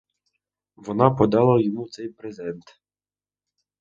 Вона подала йому цей презент.